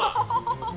ハハハハ。